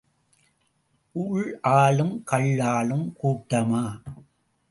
உள் ஆளும் கள்ளாளும் கூட்டமா?